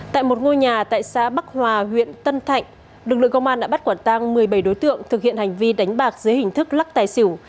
tại một ngôi nhà tại xã bắc hòa huyện tân thạnh lực lượng công an đã bắt quả tang một mươi bảy đối tượng thực hiện hành vi đánh bạc dưới hình thức lắc tài xỉu